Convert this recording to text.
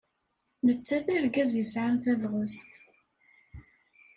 Netta d argaz yesɛan tabɣest.